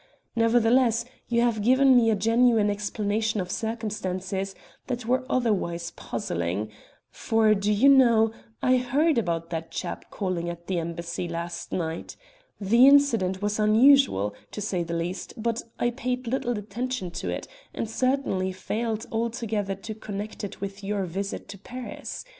Nevertheless, you have given me a genuine explanation of circumstances that were otherwise puzzling. For, do you know, I heard about that chap calling at the Embassy last night. The incident was unusual, to say the least, but I paid little attention to it, and certainly failed altogether to connect it with your visit to Paris.